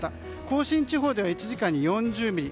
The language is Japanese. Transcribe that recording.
甲信地方では１時間に４０ミリ。